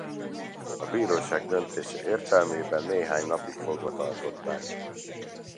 A bíróság döntése értelmében néhány napig fogva tartották.